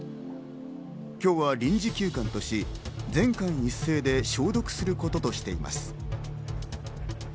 今日は臨時休館とし、全館一斉で消毒することとしています。